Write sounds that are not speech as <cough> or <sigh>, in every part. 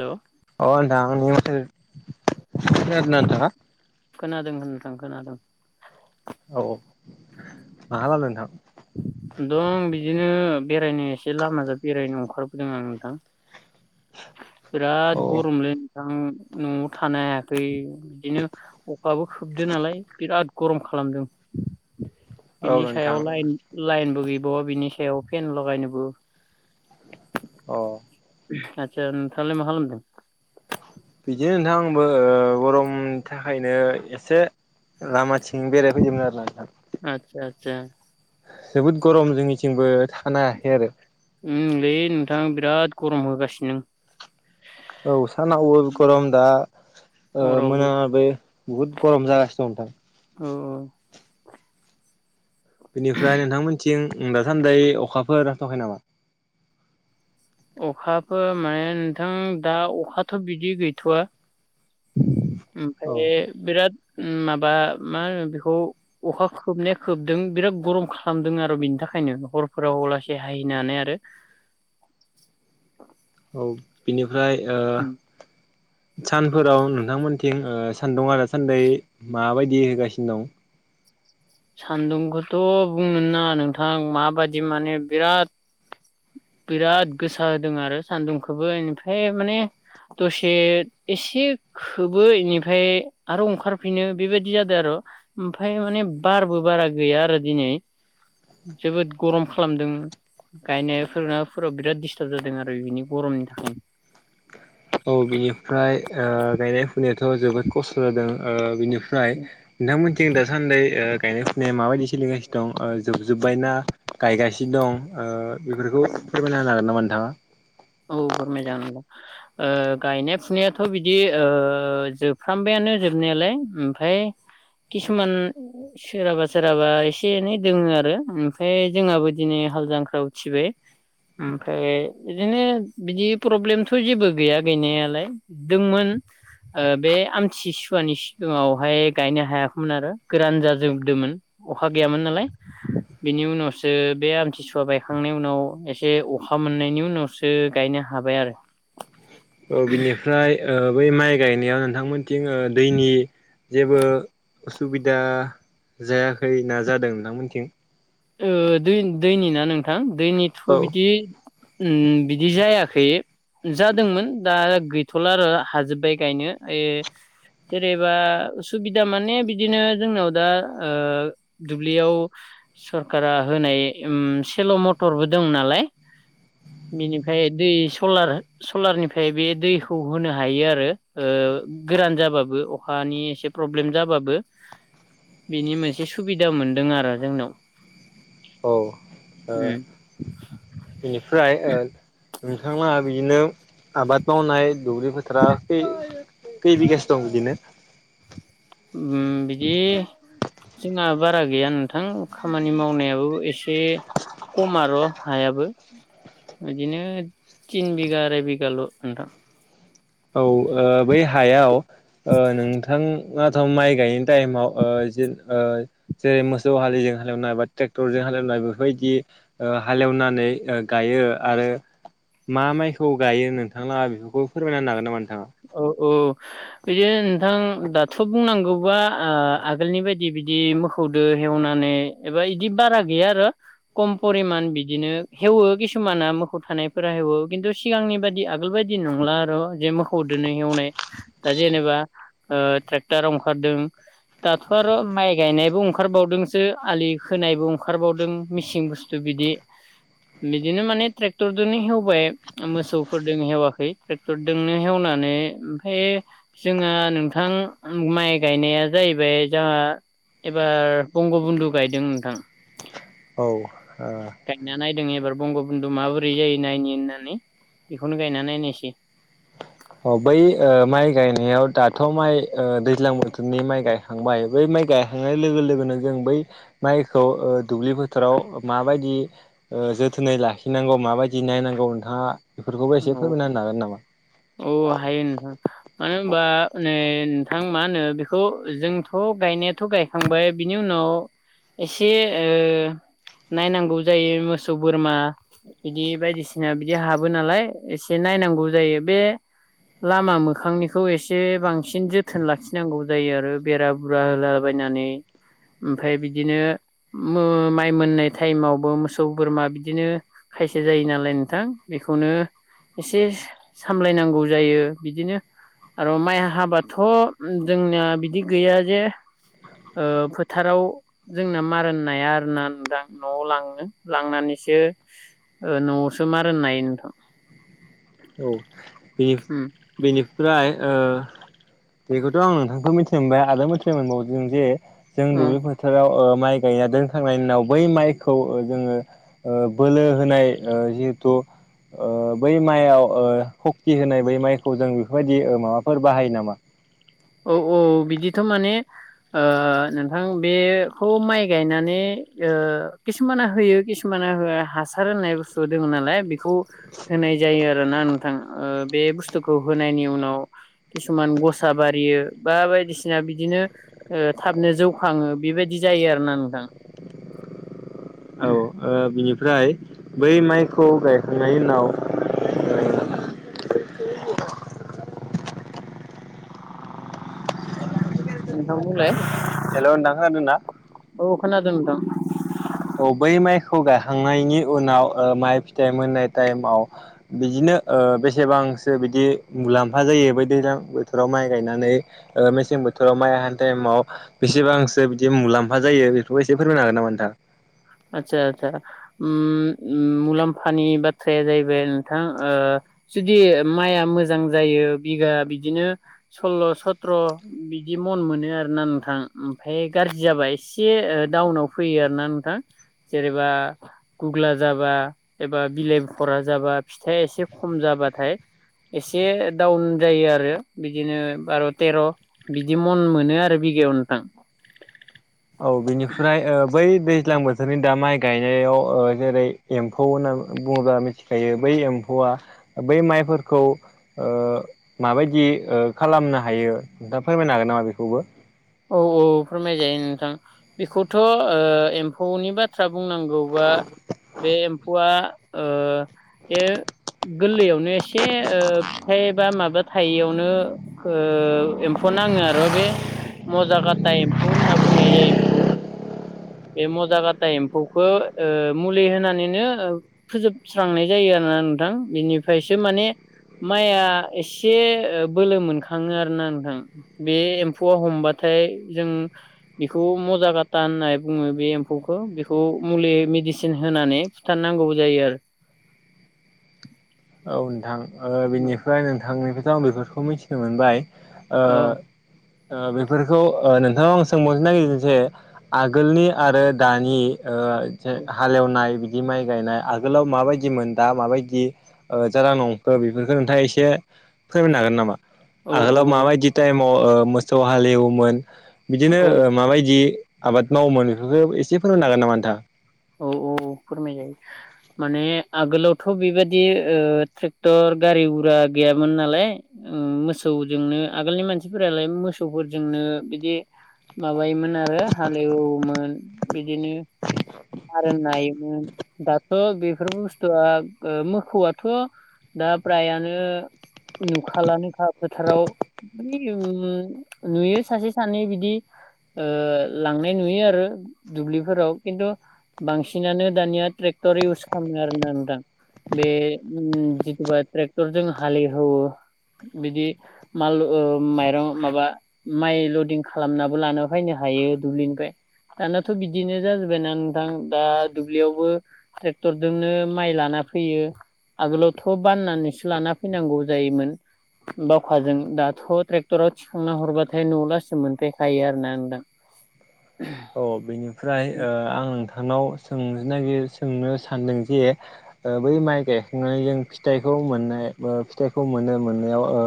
हेल' खोनदोंना नोंथाङा खोनादों होनदों खोनादों औ औ माहा खालामदों नोंथां? दं बिदिनो बेरायनो एसे लामाजों बेरायनो ओंखारबोदों आं नोंथां। औ बिराद गरमलै नोंथां। न'आव थानो हायाखै बिदिनो अखाबो खोबदों नालाय बिराद गरम खालामदों। औ बिनि नोंथां सायाव लाइन लाइनबो गैबाव बिनि सायाव फेन लगायनोबो अ आचा नोंथाङा लाय मा खामलामदों। बिदिनो नोंथां आंबो गरमनि थाखायनो एसे लामाथिं बेराय फैदोंमोन आरोना नोंथां अच्छा जोबोद गरम जोंनिथिंबो थानो हायाखै आरो ओम लै नोंथां बिराद गरम होगासिनो दं। औ सानावबो गरम दा ओ हरावबो मोनाबिलि बहुत गरम जगासिथार औ औ बेनिफ्राय नोंथांमोनथिं दासान्दै अखाफोर हथ'खायो नामा? अखाफोरो माने नोंथां दा अखाथ' बिदि गैथ'वा औ ओमफ्राय बिराद ओम माबा मा होनो बेखौ अखा खोबनाया खोबदों बिराद गरम खालामदों आरो बेनि था खायनो हरफोराव अलासे हाहैनो हानाय आरो औ बिनिफ्राय ओ सानफोराव नोंथांमोनथिं ओ सान्दुं दासान्दै माबायदि होगासिनो दं? सान्दुंखौथ' बुंना नोंथां माबायदि माने बिराद बिराद गोसा होदों आरो सान्दुंखौबो निफ्राय माने दसे एसे खोबो इनिफ्राय आरो ओंखारफिनो बेबायदि जादों आरो ओमफ्राय माने बारबो बारा गैया आरो दिनै। जोबोद गरम खालामदों। गायनायफोरा फोराव बिराद दिस्टार्ब जादों आरो बिनि गरमनि थाखायनो। औ बिनिफ्राय ओ गायनाय फुनायाथ' जोबोद खस्थ' जादों। ओ बिनि फ्राय नोंथांमोनथिं दासान्दै ओ गायनाय फुनाया माबायदि सोलिगासिनो दं ओ जोबजोब्बायना गायगासिनो दं ओ बेफोरखौ फोरमायना होनो हागोन नामा नोंथाङा? औ बर मोजां नांदों ओ गायनाय फुनायाथ' बिदि ओ जोबफ्रामबाया नो जोबनायालाय ओमफ्राय किसुमान सोरहाबा सोरहाबा एसे एनै दोङो आरो ओमफ्राय जोंहाबो दिनै हालजांख्रा उथिबाय ओमफ्राय बिदिनो बिदि प्रब्लेमथ' जेबो गैया गैनायालाय दोंमोन ओ बे आमथिसुवानि सिगांङावहाय गायनो हायाखैमोन आरो गोरान जाजोबदोंमोन अखा गैयामोन नालाय बिनि उनावसो बे आमथिसुवा बायखांनायनि उनाव एसे अखा मोननायनि उनावसो गायनो हाबाय आरो। औ बिनिफ्राय ओ बै माइ गायनायाव नोंथांमोनथिं ओ दैनि जेबो उसुबिदा जायाखै ना जादों नोंथांमोनथिं? ओ दै-दैनि ना नोंथां दैनिथ' औ बिदि उम बिदि जायाखै। जादोंमोन दा गैथ'ला आरो हाजोब्बाय गायनो ओइ जेरेबा उसुबिदा माने बिदिनो जोंनाव दा ओ दुब्लियाव सरखारा होनाय उम सेल' मथरबो दं नालाय बिनिफ्राय दै सलार-सलारनिफ्राय बे दैखौ होनो हायो आरो ओ ओ गोरान जाबाबो अखानि एसे प्रब्लेम जाबाबो बिनि मोनसे सुबिदा मोनदों आरो जोंनाव। औ ओ उम बेनिफ्राय ओ नोंथां लाहा बिदिनो आबाद मावनाय दुब्लि बोथोरा खै खै बिघासो दं बिदिनो? उम बिदि जोंहा बारा गैया नोंथां खामानि मावनायाबो एसे खमआर' हायाबो। बिदिनो तिन बिघा आराय बिघाल' नोंथां। औ ओ बै हायाव ओ नोंथांङाथ' माइ गायनो टाइमाव ओ जेन ओ जेरै जेरै मोसौ हालिजों हालेवनाय बा ट्रेक्टरजों हालेवनाय बेफोरबायदि ओ हालेवनानै ओ गायो आरो मा माइखौ गायो नोंथांलाहा बेफोरखौ फोरमायना होनो हागोन दा? औ औ बिदिनो नोंथां दाथ' बुंनांगौबा ओ आगोलनि बायदि बिदि मोसौ खौदो एवनानै एबा इदि बारा गैया आरो कम परिमान बिदिनो हेवो किसु माना मोखौ थानायफोरा हेवो खिन्थु सिगांनि बादि आगोल बायदि नंला आरो' जे मोख खौदोनो एवनाय दा जेनेबा ओ ट्रेक्टार अंखारदों दाथ' आर' माइ गायनायबो ओंखारबावदोंसो आलि खोनायबो अंखारबावदों मिसिं बुस्थु बिदि बिदिनो माने ट्रेक्टरदोनो हेवबाय मोसौफोरजों हेवाखै ट्रेक्टरजोंनो हेवनानै ओमफ्राय जोंहा नोंथां माइ गायनाया जाहैबाय जाहा एबार बंग' बन्दु गायदों नोंथां। औ ओ जों एबार बंग' बुनदु माबोरै जायो नायनि होननानै बेखौनो गायना नायनोसै। अ बै ओ माइ गायनायाव दाथ' माइ ओ दैज्लां बोथोरनि माइ गायखांबाय बै माइ गायखांनाय लोगो लोगोनो जों बै माइखौ ओ दुब्लि फोथोराव माबायदि ओ जोथोनै लाखिनांगौ माबायदि नायनांगौ नोंथांङा बेफोरखौबो एसे फोरमायना होनो हागोन नामा? अ हायो नोंथां मानोहोमबा ओइ नोंथां मा होनो बेखौ जोंथ' गायनायाथ' गायखांबाय बिनि उनाव एसे ओ नायनांगौ जायो मोसौ बोरमा बिदि बायदिसिना बिदि हाबो नालाय एसे नायनांगौ जायो बे लामा मोखांनिखौ एसे बां बांसिन जोथोन लाखिनांगौ जायो आरो बेरा बुरा होलाबायनानै ओमफ्राय बिदिनो माइ मोननाय टाइमावबो मोसौ बोरमा बिदिनो खायसे जायो नालाय नोंथां बेखौनो एसे सामलायनांगौ जायो बिदिनो आरो माइ हाबाथ' जोंनिया बिदि गैया जे ओ फोथाराव जोंना मारोन नाया आरोना नोंथां न'आव लाङो लांनानैसो बिसो न'आवसो मार नायोन नोंथां औ बे उम बेनि फ्राय ओ बेखौथ' आं नोंथांखौ मिथिनो मोनबाय आरो मिथिनो मोनबावदों जे जों उम दुब्लि बोथाराव ओ माइ गायना दोनखांनायनि उनाव बै माइखौ जोंङो बोलो होनाय ओ जिहेथु ओ बै मायाव ओ सक्ति होनाय बै माइखौ जों बेफोरबायदि माबाफोर बाहायो नामा। औ औ बिदिथ' माने नोंथां बेखौ माइ गायनानै किसुमाना होयो किसुमान हो हासार होननाय बुस्थु दङ नालाय बेखौ होनाय जायो आ नोंथां ओ बे मुथुसथु होननाय उनाव खिसुमान गसा बा रियो बा बायदिसिना बिदिनो थाबनो जौखाङो बेबायदि जायो आरोना नोंथां <inaudible> औ बिनिफ्राय बै माइखौ गायखांनायनि उनाव औ नोंथां बुंलाय हेलौ नोंथां खोनादों ना औ खोनादों <inaudible> औ बै माइखौ गायाखांनायनि उनाव माइ फिथाइ मोननाय टाइमाव बिदिनो ओ बेसेबांसो बिदि ओ मुलाम्फा जायो बोथोराव माइ गायनानै में मेसें बोथोराव माइ हानि टाइमाव बेसेबांसो बिदि मुलाम्फा जायो बेफोरखौ एसे फोरमायनो हागोन नामा नोंथां आतसा आतसा अम मुलाम्फानि बाथ्राया जाहैबाय नोंथां ओ जुदि माइआ मोजां जायो बिगा बिदिनो सल्ल' सथ्र' बि बिदि मन मोनो आरोना नोंथां ओमफ्राय गाज्रि जाबा एसे डाउनाव फैयो आरोना नोंथां जेनेबा गुग्ला जाबा एबा बिलाइभरा जाबा फिथाइ एसे खम खम जाबाथाय एसे दडाउन जायो आरो बिदिनो बार' तेर' बिदि मन मोनो आरो बि बिगायाव नोंथां औ बिनिफ्राय ओ बै दैज्लां बोथोरनि दा माइ गायनायाव जेरै एम्फौ होनना बुं ङोब्ला मिथिखायो बै एम्फौआ बै माइफोरखौ ओ माबायदि खालामनो हायो नों दा फोरमायनो हागोन नामा बेखौबो औ औ फोरमायजायो नोंथां बेखौथ ओ एम्फौनि बाथ्रा बुंनांगौबा बे एम्फौआ ओ बे गोरलैयावनो एसे फिथाइबा माबा थायियावनो एम्फौ नो आङो आरो बे मजाकाटा एम्फौ होनना बुंनाय जायो बेखौ बे मजा गाथा एम्फौखो मुलि होनानैनो फोजोबस्रांनाय जायो। आरोना नोंथां बिनिफ्रायसो माने माइया एसे बोलो मोनखाङो आरोना नोंथां बे एम्फौआ हमबा थाय जों बेखौ म'जा गाथा होननानै बुंङो बे एमफौखौ बेखौ मुलि मेदिसेन होनानै फुथारनांगौ जायो आरो औ नोंथां बेनिफ्राय नोंथांनिफ्रायथ' आं बेफोरखौ मिथिनो मोनबाय ओ औ ओ बेफोरखौ नोंथां आं सोंबावनोनो नागिरदों जे आगोलनि आरो दानि ओ हाल एवनाय बिदि माइ गायनाय आगोलाव माबायदिमोन दा माबायदि ओ जारां नंखो बेफोरखौ नोंथाङा एसे फोरमायनो हागोन नामा औ आगोलाव माबायदि टाइम ओ समाव मोसौ हालेवोमोन बिदिनो औ माबायदि आबाद मावोमोन एसे फोरमायनो हागोन नामा नोंथां औ औ औ फोरमाय जायो माने आगोलावथ' बेबाददि ओ ट्रेक्टर गा रि गुरा गैयामोन नालाय मोसौजोंनो आगोलनि मानसिफोरालाय मोसौफोरजोंनो बिदि माबायोमोन आरो हाल एवोमोन बिदिनो आरो नायोमोन दाथ बेफोर बुसथुया मोसौयाथ दा प्रायानो नुखाला नोखा फोथाराव माने ओ नुयो सासे सानै बिदि ओ लांनाय नुयो आरो दुब्लिफोराव खिनथु बांसिनानो दानिया ट्रेक्टर इउस खालामो आरोना नोंथां बे जिथुबा ट्रेक्टरजों हाल हेवो बिदि माल माइरं माबा माइ लदिं खालामनाबो लानो फैनो हाग थायो दुब्लिनिफ्राय दानाथ बिदिनो जाजोबबायना नों नथां दा दुब्लियावबो ट्रेक्टरजोंनो माइ लाना फैयो आगोलावथ बाननानैसो लाना फैनांगौ जायोमोन बावखाजों दाथ ट्रेक्टराव थिखांना हरबाथाय नआव लासे मोनफैखायो आरो ना नोंथां <inaudible> अ‌ बेनिफ्राय ओ आं नोंथां थां नाव सों नागिर सोंनो सानदों जे ओ बै माइ गायखांनानै जों फिथाइखौ खौ मोननाय ओ फिथाइखौ मोनो मोननायाव ओ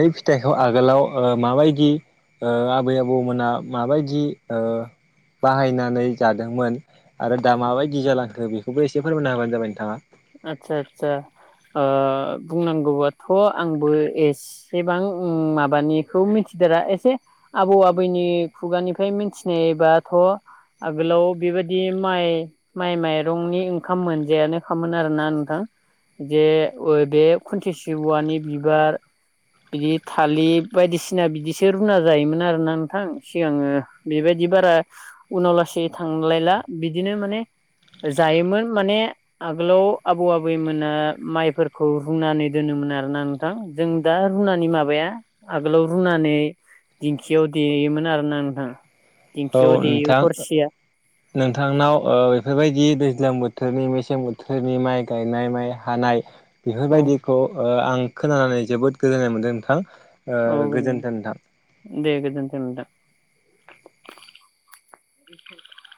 बै फिथाइखौ आगोलाव ओ माबायदि ओ आबै आबौमोनहा माबायदि ओ बाहायनानै जादोंमोन आरो दा माबायदि जालांखो बेखौबो एसे फोरमायना होबानो जाबाय नोंथाङा आतसा आतसा ओ बुंनांगौबाथ आंबो एसेबां माबानिखौ मिथि गिदिरा एसे आबौ आबैनि खुगानिफ्राय मिथिनायबाथ आगोलाव बेबायदि माइ माइ माइरंनि ओंखाम मोनजायानो खामोन आरोना नोंथां जे ओ बे खुनथिसि औवानि बिबार बे थालिर बायदिसिना बिदिसो रुना जायोमोन आरोना नोंथां सिगाङो बेबायदि दि बारा उनाव लासै थांलायला बिदिनो माने जायोमोन माने आगोलाव आबौ आबैमोना माइफोरखौ रुनानै दोनोमोन आरोना नोंथां जों दा रुनानै माबाया आगोलाव रुनानै दिंखियाव देयोमोन आरोना नोंथां औ दिंखियाव देयो नोंथां हरसेया नोंथांनाव ओ बेफोर बायदि दैज्लां बोथोरनि मेसें बोथोरनि माइ गायनाय माइ हानाय बेफोर औ बायदिखौ ओ आं खोनानानै जोबोद गोजोननाय मोनदों नोंथां औ गोजोन गोजोनथों नोंथां दे गोजोनथों नोंथां